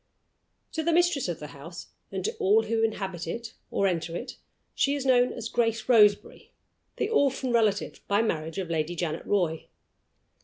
To the mistress of the house, and to all who inhabit it or enter it, she is known as Grace Roseberry, the orphan relative by marriage of Lady Janet Roy.